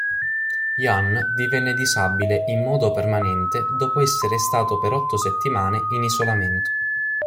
Jan divenne disabile in modo permanente dopo essere stato per otto settimane in isolamento.